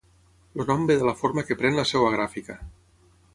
El nom ve de la forma que pren la seva gràfica.